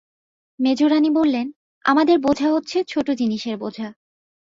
মেজোরানী বললেন, আমাদের বোঝা হচ্ছে ছোটো জিনিসের বোঝা।